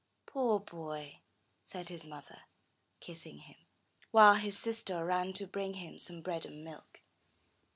'Toor boy!" said his mother, kissing him, while his sister ran to bring him some bread and milk.